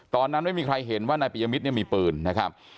ตอนนั้นไม่มีใครเห็นว่านายปิยมิตรเนี่ยมีปืนนะครับ